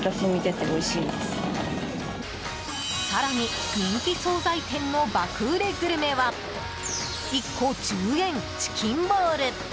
更に、人気総菜店の爆売れグルメは１個１０円、チキンボール。